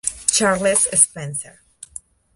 Charles Spencer.